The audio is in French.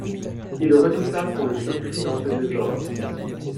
Il redouta qu'on le surprit dans ce désordre.